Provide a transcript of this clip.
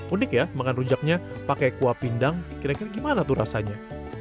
unik ya makan rujaknya pakai kuah pindang kira kira gimana tuh rasanya